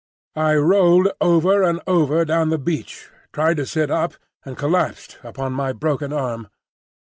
I rolled over and over down the beach, tried to sit up, and collapsed upon my broken arm.